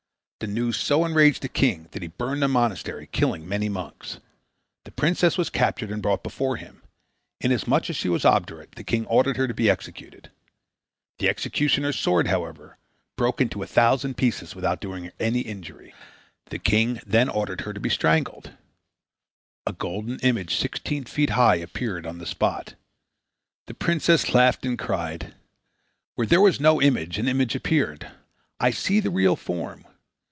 This news so enraged the king that he burned the monastery, killing many monks. The princess was captured and brought before him. Inasmuch as she was obdurate, the king ordered her to be executed. The executioner's sword, however, broke into a thousand pieces without doing her any injury. The king then ordered her to be strangled. A golden image sixteen feet high appeared on the spot. The princess laughed and cried: "Where there was no image, an image appeared. I see the real form.